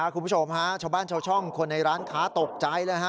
คุณผู้ชมฮะชาวบ้านชาวช่องคนในร้านค้าตกใจเลยฮะ